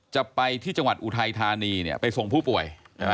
จะไปที่จังหวัดอุทัยธานีเนี่ยไปส่งผู้ป่วย